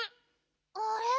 あれ？